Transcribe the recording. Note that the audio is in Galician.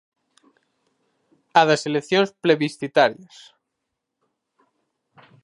A das eleccións plebiscitarias.